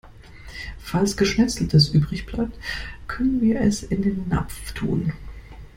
Falls Geschnetzeltes übrig bleibt, können wir es in den Napf tun.